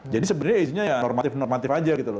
jadi sebenarnya isinya ya normatif normatif aja gitu loh